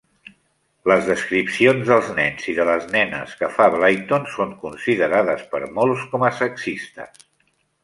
Les descripcions dels nens i de les nenes que fa Blyton són considerades per molts com a sexistes.